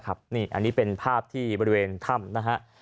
อันนี้เป็นภาพที่บริเวณถ้ำนะฮะ